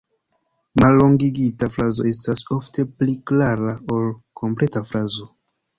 Mallongigita frazo estas ofte pli klara ol kompleta frazo.